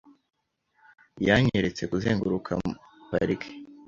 Yanyeretse kuzenguruka parike .